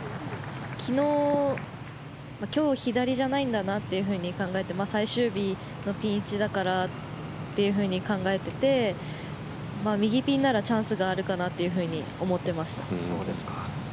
今日左じゃないんだなというふうに考えて最終日のピン位置だからっていうふうに考えていて右ピンならチャンスがあるかなと思ってました。